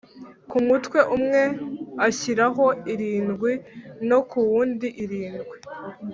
ku mutwe umwe ashyiraho irindwi, no ku wundi irindwi